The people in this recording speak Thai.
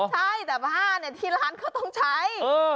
ใช่แต่ผ้าที่ร้านเขาต้องใช้